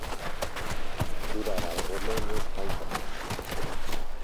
Durar algo menos ca un foghete